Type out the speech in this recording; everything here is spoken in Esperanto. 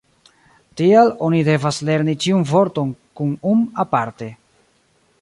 Tial oni devas lerni ĉiun vorton kun -um- aparte.